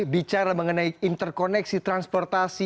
bicara mengenai interkoneksi transportasi